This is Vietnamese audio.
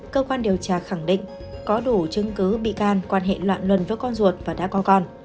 cơ quan điều tra khẳng định có đủ chứng cứ bị can quan hệ loạn luân với con ruột và đã có con